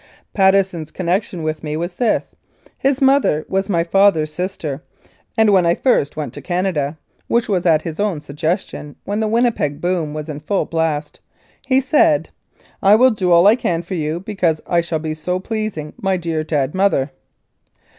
Patteson's connection with me was this : His mother was my father's sister, and when I first went to Canada (which was at his own suggestion, when the Winnipeg boom was in full blast), he said, "I will do all I can for you, because I shall so be pleasing my dear dead mother."